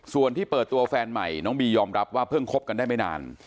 ส่วนที่เปิดตัวแฟนใหม่น้องบียอมรับว่าเพิ่งคบกันได้ไม่นาน